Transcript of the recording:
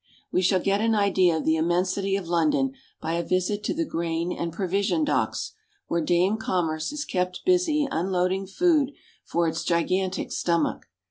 We shall get an idea of the immensity of London by a visit to the grain and provision docks, where Dame Com merce is kept busy unloading food for its gigantic stomach.